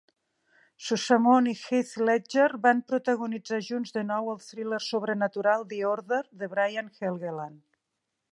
Sossamon i Heath Ledger van protagonitzar junts de nou el thriller sobrenatural "The Order" de Brian Helgeland.